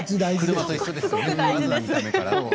車と一緒ですよね。